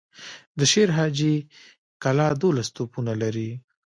د شير حاجي کلا دولس توپونه لري.